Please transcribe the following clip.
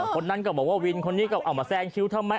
คนนั้นก็บอกว่าวินคนนี้ก็เอามาแซงคิวทำไม